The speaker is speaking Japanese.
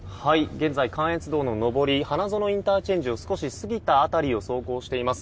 現在、関越道の上り花園ＩＣを少し過ぎた辺りを走行しています。